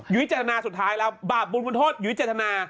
อยุธธนาสุดท้ายแล้วบาปบุญบุญโทษอยุธธนา